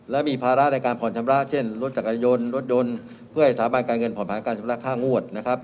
และมีภาระในการผ่อนชำระเช่นรถจักรยานยนต์รถยนต์เพื่อให้สถาบันการเงินผ่อนผันการชำระค่างวดนะครับ